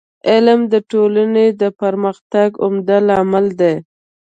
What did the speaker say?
علم د ټولني د پرمختګ عمده لامل دی.